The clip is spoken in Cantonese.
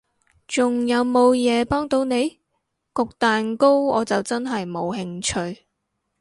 仲有無嘢幫到你？焗蛋糕我就真係冇興趣